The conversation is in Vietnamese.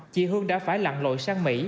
chị hương đã phải lặng lội sang mỹ